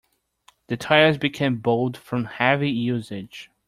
The tires became bald from heavy usage.